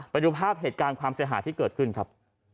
ไปดูภาพเหตุการณ์ความเสียหายที่เกิดขึ้นครับ